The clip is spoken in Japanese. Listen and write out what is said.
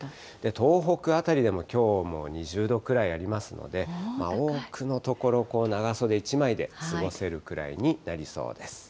東北辺りでもきょうも２０度くらいありますので、多くの所、長袖１枚で過ごせるくらいになりそうです。